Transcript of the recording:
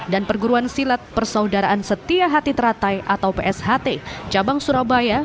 dan perguruan silat persaudaraan setia hati teratai atau psht cabang surabaya